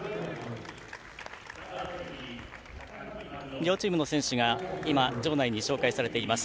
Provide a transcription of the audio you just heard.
両チームの選手が今場内に紹介されています。